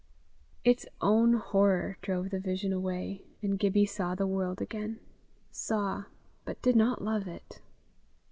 Its own horror drove the vision away, and Gibbie saw the world again saw, but did not love it.